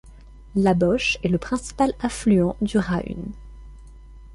La Beauche est le principal affluent du Rahun.